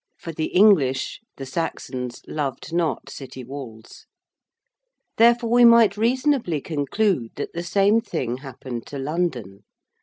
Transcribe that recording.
For the English the Saxons loved not city walls. Therefore, we might reasonably conclude that the same thing happened to London.